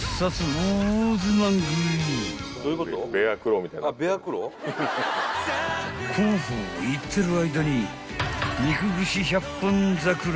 ［コーホー言ってる間に肉串１００本桜が］